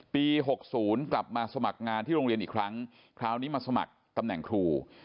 ๖๐กลับมาสมัครงานที่โรงเรียนอีกครั้งคราวนี้มาสมัครตำแหน่งครู